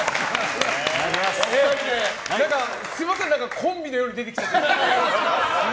すみません、何かコンビのように出てきちゃって。